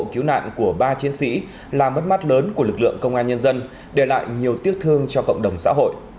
cứu nạn của ba chiến sĩ là mất mắt lớn của lực lượng công an nhân dân để lại nhiều tiếc thương cho cộng đồng xã hội